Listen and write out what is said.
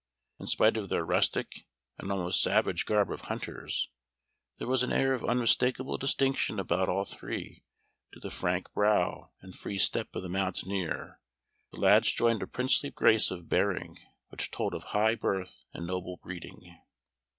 In spite of their rustic and almost savage garb of hunters, there was an air of unmistakable distinction about all three; to the frank brow and free step of the mountaineer the lads joined a princely grace of bearing which told of high birth and noble breeding.